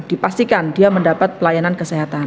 dipastikan dia mendapat pelayanan kesehatan